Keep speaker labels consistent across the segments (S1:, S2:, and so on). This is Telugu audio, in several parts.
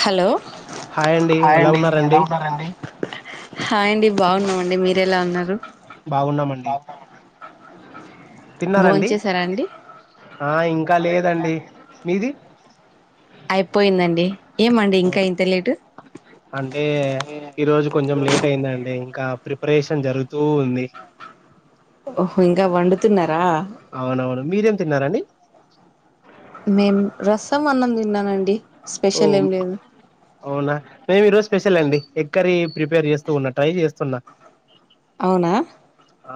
S1: హలో్ హాయ్ అండి ఎలా ఉన్నరండి హాయ్ అండి బాగున్నామండి మీరు ఎలా ఉన్నారు
S2: బాగున్నామండి
S1: భోన్
S2: తిన్నారండి
S1: చేసారా అండి
S2: ఆ ఇంకా లేదండి మీది
S1: అయిపోయిందండి ఏమండి ఇంకా ఇంత లేటు
S2: అంటే ఈరోజు కొంచెం లేట్ అయిందండి ఇంకా ప్రిపరేషన్ జరుగుతూ ఉంది
S1: ఓహో ఇంకా వండుతున్నారా
S2: అవునవును మీరేం తిన్నారండి
S1: మేం రసం అన్నం తిన్నానండి
S2: ఓ
S1: స్పెషల్ ఏం లేదు
S2: అవునా మేమి ఈరోజు స్పెషల్ అండి ఎక్కరీ ప్రిపేర్ చేస్తూన్నా ట్రై చేస్తున్నా
S1: అవునా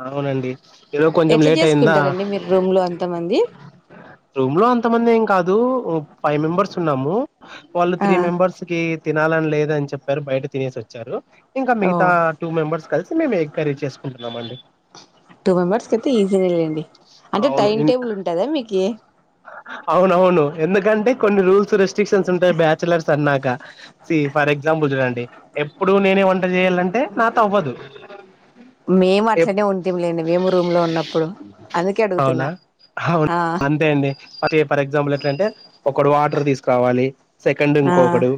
S2: అవునండి ఏరోోజ కొంచెం
S1: ఎట్లా
S2: లేట్ అయిందా
S1: చేసుకుంటారండి మీరు రూమ్ లో అంతమంది
S2: రూమ్ లో అంతమంది ఏం కాదు ఫైవ్ మెంబర్స్ ఉన్నాము పల్
S1: ఆ
S2: త్రీ మెంబర్స్కి తినాలని లేద అని చెప్పారు బయట తినేసి వచ్చారు ఇంకా
S1: ఓ
S2: మిగతా టూ మెంబర్స్ కలిసి మేము ఎగ్ కరీ చేసుకుంటున్నాం అండి
S1: టూ మెంబర్స్ క అయితే ఈజీనే వెళ్ళండి అంటే
S2: అవును
S1: టైం
S2: ఇం
S1: టేబుల్ ఉంటదా మీకు ఏ
S2: అవునవును ఎందుకంటే కొన్ని రూల్స్ రెస్ట్రిక్షన్స్ ఉంటాయి బ్యాచలర్స్ అన్నాక సి ఫర్ ఎగ్జాంపుల్ చూడండి ఎప్పుడు నేనే వంట చేయాలంటే నా త అవ్వదు
S1: మేము
S2: ఎప్
S1: అట్లనే ఉంటాం లేండి మేము రూమ్ లో ఉన్నప్పుడు అందుకే అడుగుతున్నా ఆ
S2: అ ఫర్ ఎగ్జాంపుల్ ఎట్లంటే ఒకడు వాటర్ తీసుకురావాలి సెకండ్
S1: ఆ
S2: ఇంకొకడు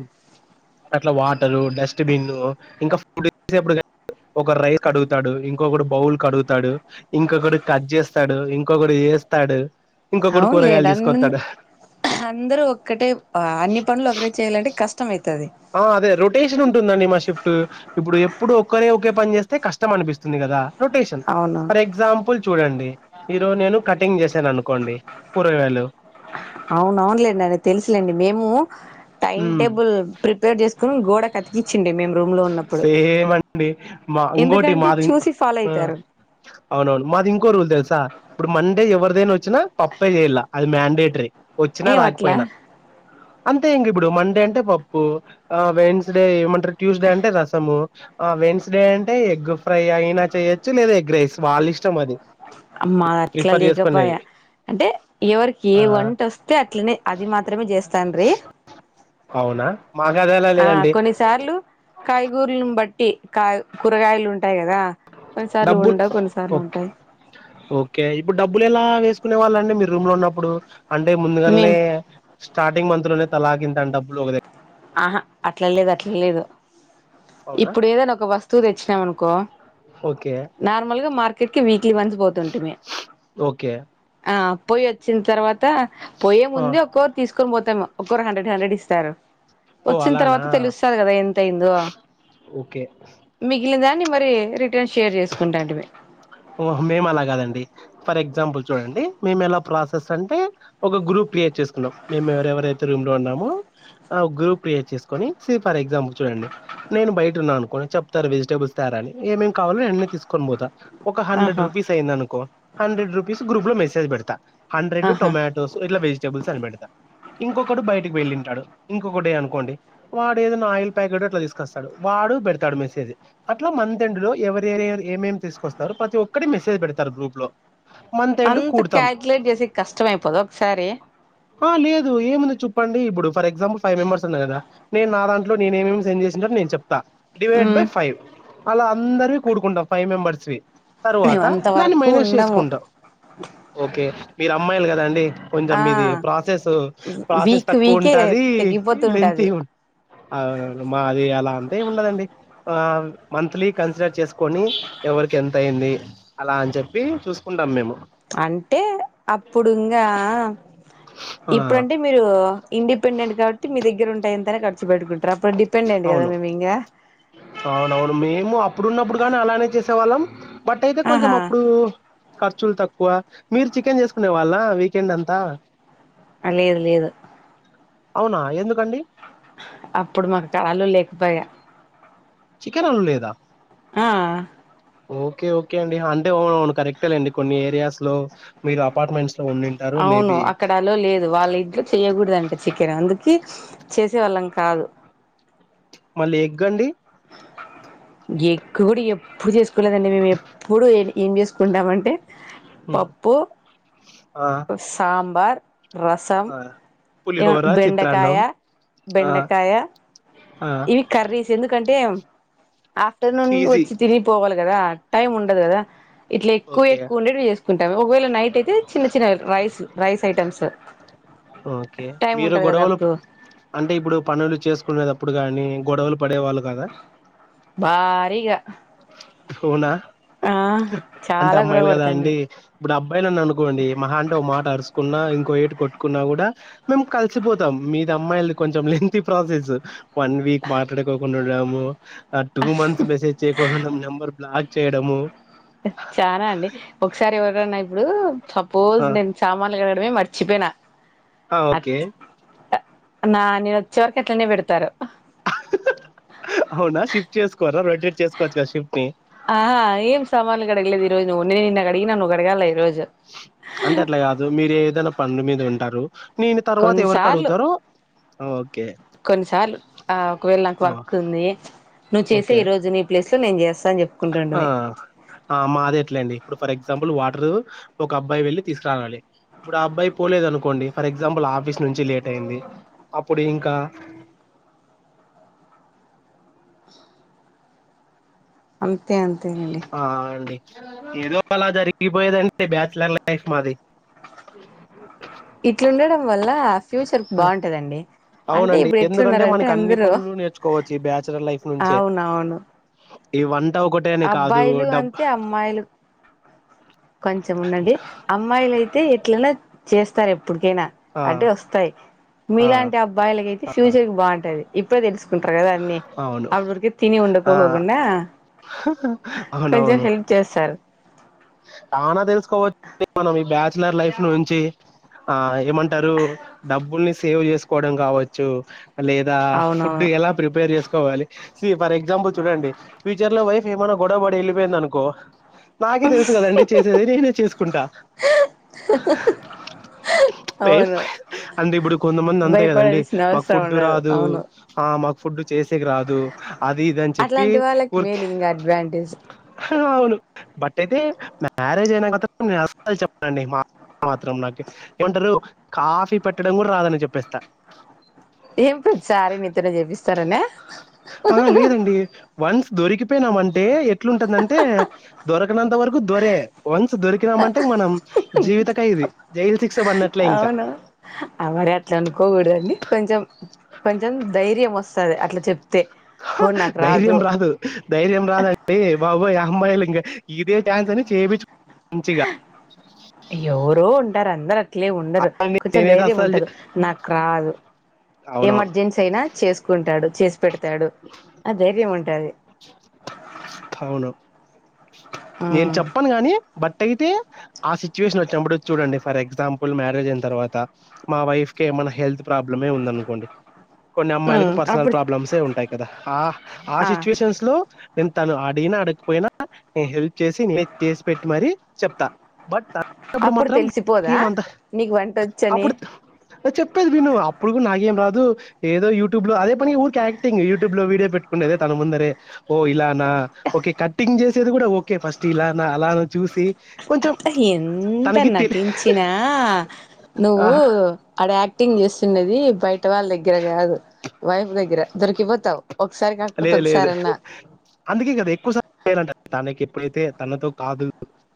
S2: అట్లా వాటరు డస్ట్బిన్ ఇంకా ఫుడ్ చేసేడు ఒక రైస్ కడుగుతాడు ఇంకొకడు బౌల్ కడుగుతాడు ఇంకొకడు కట్ చేస్తాడు ఇంకొకడు చేస్తాడు ఇంకా కొడుకు
S1: లేదు అ అందరు ఒక్కటే అన్ని పనులు ఒకటే చేయాలంటే కష్ట మది
S2: ఆ అదే రొటేషన్ ఉంటుందండి మా షిఫ్ట్ ఇప్పుడు ఎప్పుడు ఒక్కరే ఒకే పని చేస్త అయితే కష్టం అనిపిస్తుంది కదా రొటేషన్
S1: అవును
S2: ఫర్ ఎగ్జాపల్ చ చూడండి ఈరోజు నేను కటింగ్ చేశాను అనుకోండి పూరగాేలు
S1: అవున అవునలేండి అని తెలుసులేండి మేము టైం టేబుల్ ప్రిపేర్ చేసుకుని గోడకు అతికిచ్చిండే మేము రూమ్ లో ఉన్నప్పుడు
S2: సేమండి మా ఇంకోటి
S1: ఎందుకంటే
S2: మాదిం
S1: చూసి ఫాలో అయితారు
S2: అవునవును మాది ఇంకో రూల్ తెలుసా ఇప్పుడు మండే ఎవరిదైనా వచ్చినా పప్పే చేయాల అది మ్యాండేట్ త్రే వచ్చినా
S1: ఏం అట్లా
S2: రాకపోయినా అంత ఇం ఇప్పుడు మండే అంటే పప్పు వెన్స్డే ఏమంటారు ట్యూస్డే అంటే రసము ఆ వెన్స్డే అంటే ఎగ్ ఫ్రై అయినా చేయచ్చు లేదా ఎగ్ రైస్ వాళ ఇష్టం అది
S1: అమ్ మాదట్ల
S2: ప్రిఫర్ చేసుకునేది
S1: లేకపోయా అంటే ఎవరికి ఏ
S2: ఆ
S1: వంటొస్తే అట్లనే అది మాత్రమే చేస్తాండ్రి
S2: అవునా మాకదేలా
S1: ఆ
S2: లేదండి
S1: బటి కాయ్ కూరగాయలున్ టాయి కదా కొన్నిసార్లు
S2: డబ్బులు
S1: ఉండవు కొన్నిసార్లు
S2: ఓకే
S1: ఉంటాయి
S2: ఓకే ఇప్పుడు డబ్బులు ఎలా వేసుకునే వాళ్ళండి మీరు రూమ్ లో ఉన్నప్పుడు అంటే
S1: మేం
S2: ముందుగాలనే స్టార్టింగ్ మంత్ లోనే తలాకింత అని డబ్బులు ఒకదె
S1: ఆహా అట్లా లేదు అట్లా లేదు
S2: అవునా
S1: ఇప్పుడు ఏదైనా ఒక వస్తువు తెచ్చినాం అనుకో
S2: ఓకే
S1: నార్మల్ గా మార్కెట్ కి వీక్లీ వన్స్ పోతుంటిమి
S2: ఓకే
S1: ఆ పొయి వచ్చిన తర్వాత పోయే
S2: ఆ
S1: ముందే ఒక్కోరు తీసుకొని పోతాము కోర్ హండ్రెడ్ హండ్రెడ్ ఇస్తారు
S2: ఓ
S1: వచ్చిన
S2: అలానా
S1: తర్వాత తెలుస్తాది కదా ఎంత అయ్యిందో
S2: ఓకే
S1: మిగిలిందా ని మరి రి టే షేర్ చేసుకుంటాంటిమి
S2: ఓహ మేము అలా కాదండి ఫర్ ఎగ్జాంపుల్ చూడండి మేము ఎలా ప్రాసెస్ అంటే ఒక గ్రూప్ క్రియేట్ చేసుకున్నాం మేము ఎవరెవరైతే రూమ్ లో ఉన్నామో ఆ గ్రూప్ క్రియేట్ చేసుకొని సీ ఫర్ ఎగ్జాంపుల్ చూడండి నేను బయట ఉన్నాను అనుకోని చెప్తారు వెజిటేబుల్స్ తేరా అని ఏమేం కావాలో నేనే తీసుకొని పోతా ఒక హండ్రెడ్
S1: ఆహా
S2: రూపీస్ అయ్యిందనుకో హండ్రెడ్ రూపీస్ గ్రూప్ లో మెసేజ్ పెడతా హండ్రెడ్
S1: ఆహా
S2: టొమాటోస్ ఇట్లా వెజిటేబుల్స్ అని పెడతా ఇంకొకడు బయటకి వెళ్ళింటాడు ఇంకొకటి అనుకోండి వాడు ఏదైనా ఆయిల్ ప్యాకెట్ అట్లా తీసుకొస్తాడు వాడు పెడతాడు మెసేజ్ అట్లా మంత్ ఎండ్ లో ఎవరే [unintelligible] ఏమేం తీస్ కొస్తారు ప్రతి ఒక్కటి మెసేజ్ పెడతారు గ్రూప్ లో మంత్ ఎండ్
S1: అంత
S2: కూడతాం
S1: కాల్కులేట్ చేసేకి కష్టమైపోదా ఒకసారి
S2: ఆ లేదు ఏముంది చొప్పండి ఇప్పుడు ఫర్ ఎగ్జాంపుల్ ఫైవ్‌ మెంబర్స్ ఉన్నా కదా నేను నా దాంట్లో నేనేమేమి సెండ్ చేసిన [unintelligible] నేను చెప్తా డివైడ్
S1: ఉమ్
S2: బై ఫైవ్ అలా అందరివి కూడుకుంటాం ఫైవ్ మెంబర్స్ వి
S1: మేము
S2: తర్వాత
S1: అంత
S2: దాన్ని
S1: వరకు
S2: మైనస్
S1: ఉండము
S2: చేసుకుంటాం ఓకే మీరా అమ్మాయిలు కదా అండి కొంజెం
S1: ఆ
S2: మీది [unintelligible] సెస్ పాసెస్
S1: వీక్ వీకే
S2: తక్కువుంటాది లెన్తీ
S1: తెగిపోతుంటది
S2: ఉన్ అవునవును మాది అలా అంతేం ఉండదండి ఆ మంత్లీ కన్సిడర్ చేసుకొని ఎవరికి ఎంత అయింది అలా అని చెప్పి చూసుకుంటాం మేము
S1: అంటే అప్పుడు ఇంగా
S2: ఆ!
S1: ఇప్పుడుంటే మీరు ఇండిపెండెంట్ కాబట్టి మీ దగ్గరుంటాయి అంతన్నా క చ్చు పెటుకున్ ట్రప్పుడు డిపెండెంట్ కదా
S2: అవును.
S1: మేము ఇంగా
S2: అవునవును మేము అప్పుడున్నప్పుడు కానీ అలానే చేసేవాళ్ళం బట్ అయితే కొంచెం
S1: ఆహా
S2: అప్పుడు ఖర్ చులు తక్కువ మీరు చికెన్ చేసుకునే వాళ్ళా వీకెండ్ అంతా
S1: ఆ లేదు లేదు
S2: అవునా ఎందుకండి
S1: అప్పుడు మాకు కళలు లేకపోయా
S2: చికెన్ అలో లేదా
S1: ఆ
S2: ఓకే ఓకే అండి అంటే అవునును కరెక్టేలేండి కొన్ని ఏరియాస్ లో మీరు అపార్ట్మెంట్స్
S1: అవును అక్కడ అలో లేదు వాళ్ళ ఇంట్లో చెయ్యకూడదంట చికెన్ అందుకు క చేసేవాళ్ళం కాదు
S2: మళ్ళీ ఎగ్గండి
S1: ఎగ్గు కూడా ఎప్పుడు చేసుకోలేదండి మేము ఎప్పుడు ఏం చేసుకుంటామంటే
S2: హ్మ్.
S1: పప్పు,
S2: ఆ!
S1: సాబార్, రసం,
S2: ఆ పులిహోర
S1: బెండకాయ,
S2: చిత్రాన్నం ఆ
S1: బెండకాయ
S2: ఆ
S1: ఇవి కర్రీస్ందు రంటే ఆఫ్టర్నూన్
S2: ఈజీ
S1: వచ్చి తిరి పోగాల కదా టైమ్ ఉండదు కదా ఇట్లా ఎక్కువ
S2: ఓకే
S1: ఎక్కువ ఉండేవి చేసుకుంటాం ఒకవేళ నైట్ అయితే చిన్న చిన్న rice rice items
S2: okay
S1: time
S2: మీరు
S1: ఉంటది కదా
S2: గొడవలు
S1: అప్పుడు
S2: అంటే గొడ
S1: భారీగా
S2: వునా
S1: ఆ
S2: అంటే
S1: చాలా గొడవ
S2: అమ్మాయిలు కదా
S1: పడతాండి
S2: అండి ఇప్పుడు అబ్బాయిని నన్ను అనుకోండి మహా అంటే ఓ మాట అరుచకున్నా ఇంకో ఏటు కొట్టుకున్నా కూడా మేము కలిసిపోతాం మీది అమ్మాయిలు కొంచెం లెంతీ ప్రాసెస్ వన్ వీక్ మాట్లాడుకోకుండా ఉండడము ఆ టూ మంత్స్ మెసేజ్ చేయకుండా నంబర్ బ్లాక్ చేయడము
S1: చనా అండి ఒకసారి ఎవరన్నా ఇప్పుడు సపోజ్
S2: ఆ
S1: నేను సామాన్లు అదే మరిచిపోయినా
S2: ఆ ఓకే
S1: నా నేను వచ్చే వరకు ఎట్లనే పెడతారు
S2: అవునా శిఫ్ట్ చేసుకోరా రె
S1: ఆ ఏం సామానులు కడగలేద ఈజు నిన్న అడిగి నన్న్ అడగాలి ఈరోజు
S2: అంటే అట్లా కాదు మీరు ఏ ఏదైనా పంన్లు మీద ఉంటారు నేను తర్వాత ఎవరికి
S1: కొన్నిసార్లు
S2: అడుగుతారో ఆ, ఓకే
S1: కొన్నిసార్లు ఆ ఒకవేళ నాకు
S2: ఆ
S1: వర్క్ ఉంది నువ్వు చేసే
S2: ఓకే
S1: ఈ రోజు నీ ప్లేస్ లో నేను చేస్తా అని చెప్
S2: ఆ మాద ఎట్లేండి ఇప్పుడు ఫర్ ఎగజా ఎగ్జాపుల్ వాటర్ ఒక అబ్బాయి వెళ్ళి తీసుకురానాలి ఇప్పుడు ఆ అబ్బాయి పోలేదు అనుకోండి ఫర్ ఎగ్జాంపుల్ ఆఫీస్ నుంచి లేట్ అయింది అప్పుడు ఇంకా
S1: అంతేంత
S2: ఆ అండి ఏదో అలా జరిగిపోయేదంటే బ్యాచలర్ లైఫ్ మాది
S1: ఇట్లుండడం వల్ల ఫ్యూచర్
S2: ఆ,
S1: బాగుంటుందండి అంటే
S2: అవునండి
S1: ఇప్పుడు
S2: ఎందుకంటే
S1: ఎట్లున్నారంటే
S2: మనకి అన్ని
S1: అందరుూ
S2: పనులు నేర్చుకోవచ్చు ఈ బ్యాచలర్ లైఫ్ నుంచే
S1: అవున అవును
S2: ఈ వన్ కొటేనే కాదు డబ్
S1: కొంచం ఉండండి అమ్మాయిలుయితే ఎట్లనా చేస్త [unintelligible] ఇప్పటికైనా
S2: ఆ
S1: అంటే వస్తాయి
S2: ఆ
S1: మీలాంటి అబ్బాయిలకయితే ఫ్యూచర్ కి బాగుంటది ఇప్పుడే తెలుసుకుంటారు కదా అన్నిీ
S2: అవును
S1: అప్పుడు ఉఊరికిే తిని
S2: ఆ
S1: ఉండకోపోకుండా కొంచెం
S2: అవునవును
S1: హెల్ప్ చేస్తారు అ
S2: చానా తెలుసుకోవచ్చు మనం ఈ బ్యాచ్ లైఫ్ నుంచి ఏంటే డబ్బు సేవ్ చేసుకోవడం కావచ్చు లేదా ఫుడ్
S1: అవునవును
S2: ఎలా ప్రిపేర్ చేసుకోవాలి ఫర్ ఎగ్జాంపుల్ చూడండి ఫ్యూచర్ లో వై ఏమైన్నా గొడవబడి వెళ్ిపోయింద అనుకో నాే తెలుసు కదండి చేసేది నేనే చేసుకుంటా
S1: అవును
S2: అంటే ఇప్పుడు కొంతమంది అంతే కదండి
S1: భయపడాల్సిన
S2: మాకు
S1: అవసరం
S2: ఫుడ్డు
S1: ఉండదు
S2: రాదు
S1: అవును
S2: మాకు ఫుడ్ చేసేకి రాదు అది ఇది అని చెప్పి
S1: అట్లాంటి వాళ్ళకి
S2: ఊరికి
S1: మేలు ఇంకా అడ్వాంటేజ్
S2: అవును బట్ట అయితే మ్యారేజ్ అయినా క నేను చెప్పనండి మా మాత్రం నాకు ఏమంటారు కాఫీ పెట్టడం కూడా రాదని చెప్పేస్తా
S1: ఏం ప్రతిసారి నతనే చెపిస్త
S2: ఆ లేదండి వన్స్ దోరిీకి అపోయినాం అంటే ఎట్లుంటుందంటే దొర ఎనంత వరకు దొరే వన్స్ దొరికినామంటే మనం జీవితకై ఇది జైలు శిక్ష పడినట్లే ఇంకా
S1: అవును ఆ మరి అట్లా అనుకోకూడదండి కొంచెం కొంచెం ధైర్యం వస్తది అట్లా చెప్
S2: హ ధైర్యం రాదు ధైర్యం రాదంటే బాబోయ్ అమ్మాయిలులింగ ఇదే చాన్స్ అనీ చేపిచ్
S1: ఎవరు ారు అందరు అట్లే ఉండరు కొంచెం
S2: నేనైతే
S1: ధైర్యం
S2: అస్సలు చే
S1: ఉంటదు నాకు రాదు
S2: అవునవును.
S1: ఎమర్జెన్సీ అయినా చేసుకుంటాడు చేసి పెడతాడు ఆ ధైర్యం ఉంటది
S2: అవును. అ అయితే ఆ సిచువేషన్ వచ్చినప్పుడు చూడండి ఫర్ ఎగ్జాంపుల్ ప్పుల్ మ్యారేజ్ అయిన తర్వాత మా వైఫ్ క ఏమన్నా హెల్త్ ప్రాబ్లమే ఉందనుకోండి కొన్ని అమ్మాయిలకి
S1: ఉమ్
S2: పర్సనల్
S1: అప్పుడు
S2: ప్రాబ్లమ్స్ే ఉంటాయి కదా ఆ ఆ సిచ్యువేషన్స్ లో నేను తను అడిగిన అడగకపోయినా నేను హెల్ప్ చేసి న చేసి పెట్టి మర చెప్తా బట్ అప్పుడు మాత్రంం అంత
S1: నీకు వంట వచ్చని
S2: అప్పుడు చెప్పేది విను అప్పుడు నా అలాగేం రాదు ఏదో యూట్యూబ్ లో అదే పని ఊరికి యాక్టింగ్ యూట్యూబ్ లో వీడియో పెట్టుకునేదే తన ముందరే ఓ ఇలానా ఓకే కట్టింగ్ చేసేది కూడా ఓకే ఫస్ట్ ఇలానా అలానా చూసి కొంచెం
S1: అత్తలా ఎంత
S2: తనకి తె
S1: నటించినా నువవు
S2: ఆహా
S1: అడ ఎటింగ్ చేస్తున్నది బయట పెట్ట వాళ్ళ దగ్గర కాదు వైపు దగరరా దరకివ
S2: లేదు లేదు అందుకే కదా ఎక్కువసార్ంటారు దానేకి ఎప్పుడైతే తనతో కాదు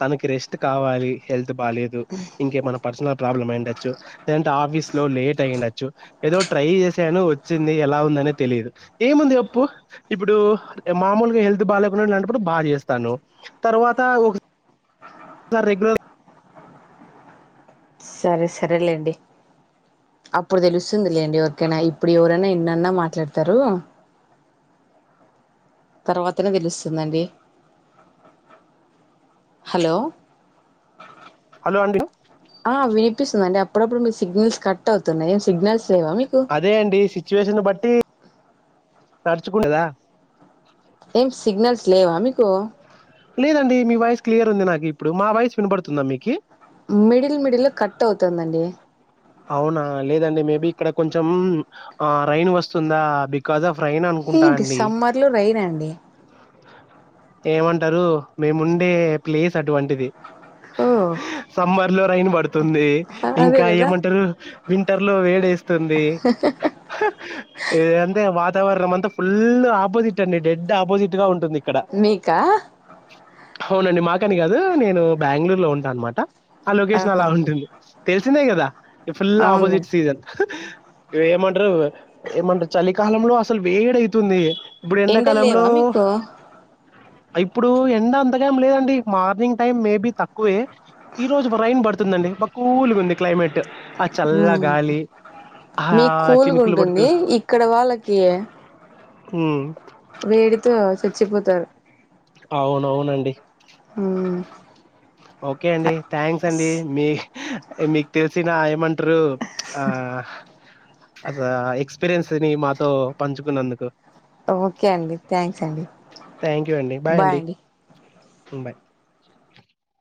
S2: తనకి రెస్ట్ కావాలి హెల్త్ బాదు ఇంకే మన పర్సనల్ ప్రాబ్లమ్ అయిండచ్చు లేంటే ఆఫీస్ లో లేట్ అయ్యండచ్చు ఏదో ట్రై చేశాను వచ్చింది ఎలా ఉందనే తెలియదు ఏముంది అప్పు ఇప్పుడు మామూలుగా హెల్త్ బాగా లేకుండా లాంటప్పుడు బాగా చేస్తాను తర్వాత ఒక సార్ రెగలర్
S1: సరే సరేలేండి అప్పుడు తెలుస్తుందిలేండి ఎవరికైనా ఇప్పుడు ఎవరైనా ఎన్నన్నా మాట్లాడతారు తర్వాతనే తెలుస్తుందండి హలో
S2: డి
S1: ఆ వినిపిస్తుంది అండి అప్పుడప్పుడు మీ సిగ్నల్స్ కట్ అవుతున్నాయి సిగ్నల్స్ లేవా మీకు
S2: అదే అండి సిచ్యువేషన్ బట్టి తడుచుకుండదా
S1: ఏం సిగ్నల్స్ లేవా అ కు
S2: లేదండి మీ వాయిస్ క్లియర్ ఉంది నాకు ఇప్పుడు మా వాయిస్ వినబడుతుందా మీకు
S1: మిడిల్ మిడిల్ కట్ అవుతుందండి
S2: అవునా లేదండి మేబి ఇక్కడ కొంచెం ఆ రైన్ వస్తుందా బికాస్్ ఆఫ్ రైన్
S1: ఏ
S2: అనుకుంటా అండి
S1: డిసెంబర్ లో రనండి
S2: ఏమంటారు మేముండే ప్లేస్ అటువంటిది
S1: ఓ
S2: సమ్మర్ లో రైన్ పడుతుంది
S1: అదే
S2: ఇంకా
S1: కదా
S2: ఏమంటే వింటర్ లో వేడేస్త ంది అంటే వాతావరణంత ఫుల్ ఆపోజిట్ అండి డెడ్ ఆపోజిట్ గా ఉంటుంది. ఇక్కడ
S1: మీకా
S2: అవునండి మాకని కాదు, నేను బెంగళూరు లో ఉంటాను అనమాట. ఆ లొకేషన్ అలా
S1: ఆహా
S2: ఉంటుంది. తెల్సిందే గదా ఈ ఫుల్
S1: అవునులే
S2: ఆపోజిట్ సీజన్ ఇవి ఏమంటరో ఏమంట చాలికాలం లో అసలు వేడ అయితుంది ఇప్పుడు
S1: ఎండలు
S2: ఎండాకాలంలో
S1: లేవా మీకు
S2: ఇప్పుడు ఎండ అంతక ఏం లేదండి మార్నింగ్ టైమ్ మేబి తక్కువే ఈ రోజు రైన్ పడుతుందండి. మ కూల్గా ఉంది క్లైమేట్ ఆ
S1: ఉ
S2: చల్ల గాలి ఆ
S1: మీ కూలుగా
S2: చినుకులు పడుతూ
S1: ఉంటుంది ఇక్కడ వాళ్ళకి
S2: ఊ
S1: వేడితో చచ్చిపోతారు.
S2: అవునవునండి.
S1: ఆ
S2: ఓకే అండి థ్యాంక్స్ అండి మీ ఏ మీకు తెలిసిన ఏమ రు ఆ అస ఎక్స్పీరియన్స్ ని మాతో పంచుకున్నందుకు
S1: ఓకే అండి, థ్యాంక్స్ అండి, బాయ్ అండి.
S2: ముంబై